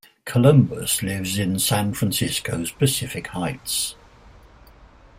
Columbus lives in San Francisco's Pacific Heights.